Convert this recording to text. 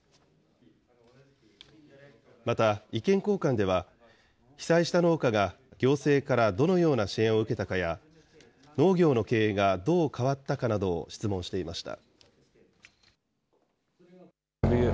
また意見交換では、被災した農家が、行政からどのような支援を受けたかや、農業の経営がどう変わったかなどを質問していました。